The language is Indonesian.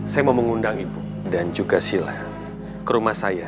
saya mau mengundang ibu dan juga sila ke rumah saya